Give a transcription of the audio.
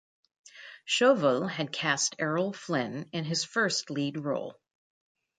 Chauvel had cast Errol Flynn in his first lead role.